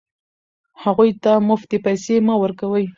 هغوی ته مفتې پیسې مه ورکوئ.